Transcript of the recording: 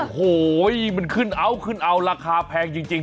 โอ้โหยมันขึ้นเอาราคาแพงจริง